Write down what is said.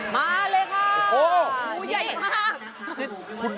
มาเลยค่ะโอ้โหเย็นมาก